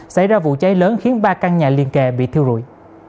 xảy ra vụ cháy lớn khiến ba căn nhà liên kề bị thiêu rụi